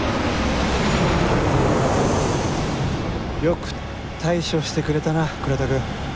よく対処してくれたな倉田くん。